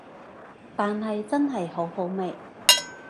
但係真係好好味